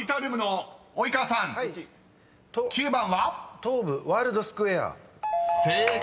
「東武ワールドスクウェア」［正解！